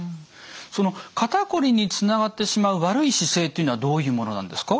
その肩こりにつながってしまう悪い姿勢っていうのはどういうものなんですか？